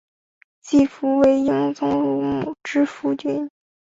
季福为英宗乳母之夫君。